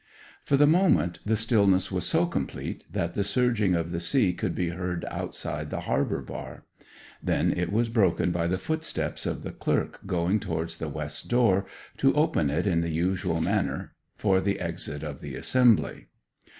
For the moment the stillness was so complete that the surging of the sea could be heard outside the harbour bar. Then it was broken by the footsteps of the clerk going towards the west door to open it in the usual manner for the exit of the assembly.